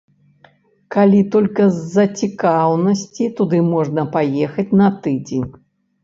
Калі толькі з-за цікаўнасці туды можна паехаць на тыдзень.